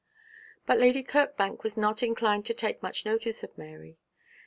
But Lady Kirkbank was not inclined to take much notice of Mary.